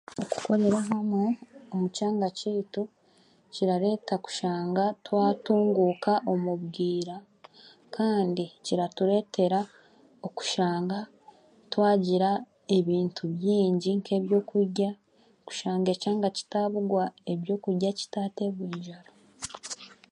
Okukorera hamwe omu kyanga kyaitu kirareeta kushanga twatunguka omu bwira kandi kiratureetera okushanga twagira ebintu bingi nk'ebyokurya kushanga ekyanga kitaaburwa ebyokurya kitategwa enjara